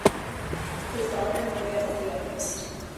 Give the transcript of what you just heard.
His daughter Maria is the youngest.